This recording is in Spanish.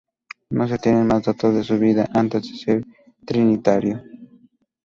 No se tienen más datos de su vida antes de ser trinitario.